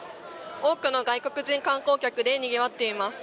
多くの外国人観光客でにぎわっています。